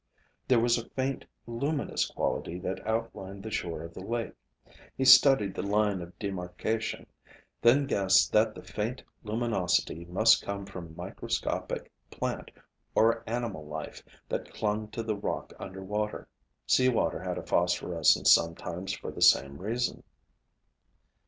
There was a faint luminous quality that outlined the shore of the lake. He studied the line of demarkation, then guessed that the faint luminosity must come from microscopic plant or animal life that clung to the rock underwater. Sea water had a phosphorescence sometimes for the same reason.